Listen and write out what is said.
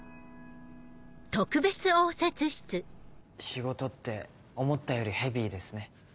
仕事って思ったよりヘビーですね。